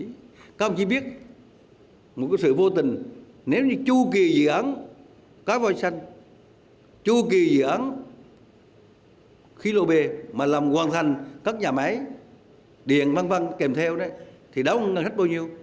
các ông chí biết một cái sự vô tình nếu như chu kỳ dự án có voi xanh chu kỳ dự án khi lô bê mà làm hoàn thành các nhà máy điện văn văn kèm theo đấy thì đóng ngân sách bao nhiêu